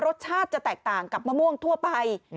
รสชาติจะแตกต่างกับมะม่วงทั่วไป